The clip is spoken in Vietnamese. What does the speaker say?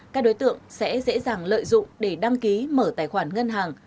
các đối tượng sẽ dễ dàng lợi dụng để đăng ký mở tài khoản ngân hàng